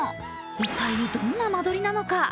一体、どんな間取りなのか。